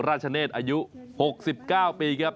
ชเนธอายุ๖๙ปีครับ